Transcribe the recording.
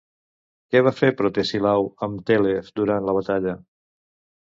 Què va fer Protesilau amb Tèlef durant la batalla?